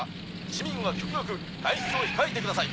市民は極力外出を控えてください。